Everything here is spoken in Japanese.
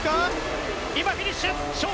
今、フィニッシュ！